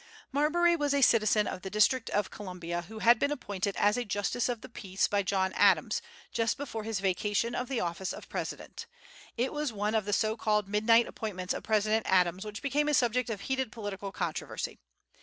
Marbury was a citizen of the District of Columbia, who had been appointed as a justice of the peace by John Adams, just before his vacation of the office of President. It was one of the so called "midnight" appointments of President Adams, which became a subject of heated political controversy.